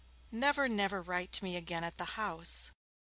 Never, never write to me again at the house.